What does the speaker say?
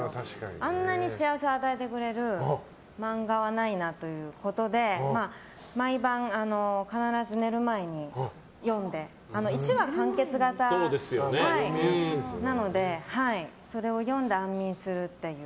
あんなに幸せを与えてくれる漫画はないなということで毎晩、必ず寝る前に読んで１話完結型なのでそれを読んで安眠するっていう。